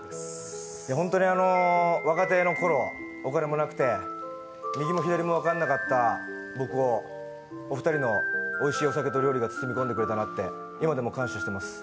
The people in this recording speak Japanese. ホントに若手のころはお金もなくて右も左も分からなかった僕をお二人のおいしいお酒と料理が包み込んでくれたと今でも感謝してます。